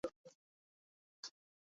Ka nu kan dawt tuk.